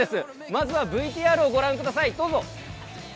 まずはＶＴＲをご覧ください、どうぞ。